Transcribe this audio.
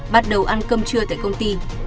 bắt đầu ăn cơm trưa tại công ty